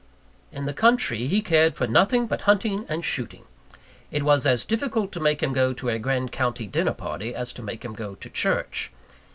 In the country, he cared for nothing but hunting and shooting it was as difficult to make him go to a grand county dinner party, as to make him go to church.